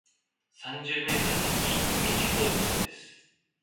三十メートル先、右方向です。